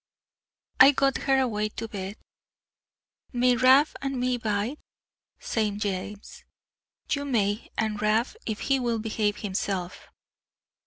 I got her away to bed. "May Rab and me bide?" said James. "You may; and Rab, if he will behave himself."